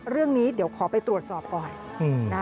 เรื่องนี้เดี๋ยวขอไปตรวจสอบก่อนนะ